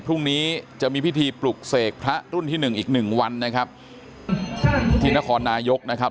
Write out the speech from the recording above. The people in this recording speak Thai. พรุ่งนี้จะมีพิธีปลุกเสกพระรุ่นที่หนึ่งอีกหนึ่งวันนะครับที่นครนายกนะครับ